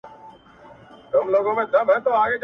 په خپل دور کي صاحب د لوی مقام او لوی نښان وو,